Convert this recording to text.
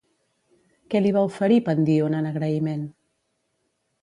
Què li va oferir Pandíon en agraïment?